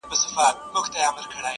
زه د شرابيانو قلندر تر ملا تړلى يم.